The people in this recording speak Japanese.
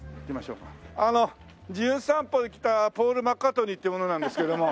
あの『じゅん散歩』で来たポール・マッカートニーって者なんですけども。